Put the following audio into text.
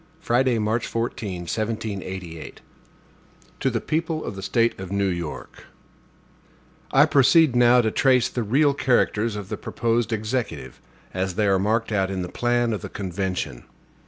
Friday, March 14, 1788. HAMILTON To the People of the State of New York: I PROCEED now to trace the real characters of the proposed Executive, as they are marked out in the plan of the convention.